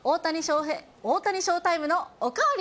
大谷ショータイムのおかわり。